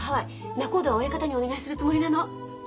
仲人は親方にお願いするつもりなの。